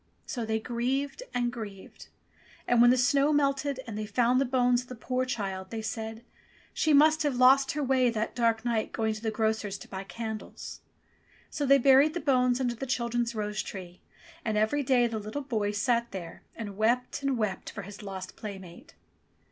So they grieved and grieved. And when the snow melted and they found the bones of the poor child, they said, She must have lost her way that dark night going to the grocer's to buy candles." So they buried the bones under the chil dren's rose tree, and every day the little boy sate there and wept and wept for his lost playmate.